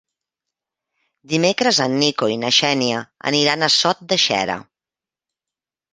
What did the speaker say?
Dimecres en Nico i na Xènia aniran a Sot de Xera.